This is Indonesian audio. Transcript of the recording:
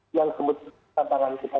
ini yang sebetulnya tantangan kita